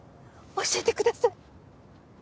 教えてください！